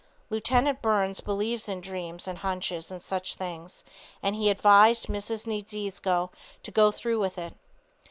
Lieut. Burns believes in dreams and hunches and such things, and he advised Mrs. Niedziezko to go through with it.